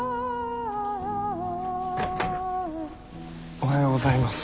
おはようございます。